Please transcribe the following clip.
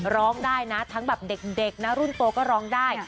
ร้องได้นะทั้งแบบเด็กนะรุ่นโตก็ร้องได้